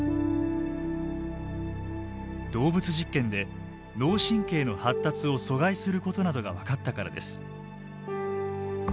動物実験で脳神経の発達を阻害することなどが分かったからです。